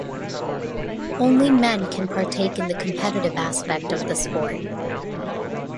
Only men can partake in the competitive aspect of the sport.